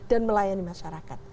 dan melayani masyarakat